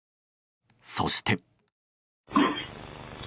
そして。